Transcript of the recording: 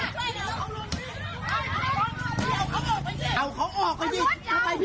โอ้โหเดี๋ยวลงมา